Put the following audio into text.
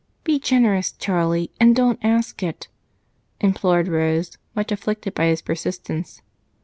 Be generous, Charlie, and don't ask it," implored Rose, much afflicted by his persistence.